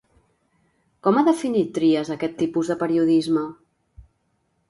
Com ha definit Trias aquest tipus de periodisme?